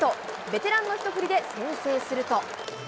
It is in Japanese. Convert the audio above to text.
ベテランの一振りで先制すると。